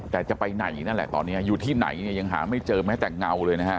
แต่จะไปไหนนั่นแหละตอนนี้อยู่ที่ไหนเนี่ยยังหาไม่เจอแม้แต่เงาเลยนะฮะ